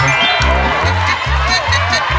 โอ้ยโอ้ยดีดี